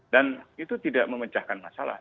dan itu tidak memecahkan masalah